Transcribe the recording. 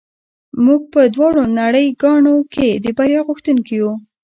موږ په دواړو نړۍ ګانو کې د بریا غوښتونکي یو